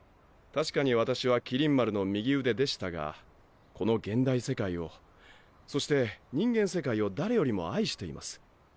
確かに私は麒麟丸の右腕でしたがこの現代世界をそして人間世界を誰よりも愛しています。